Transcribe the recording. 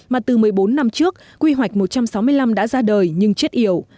mà từ một mươi bốn năm trước quy hoạch một trăm sáu mươi năm đã ra đời nhưng chết yểu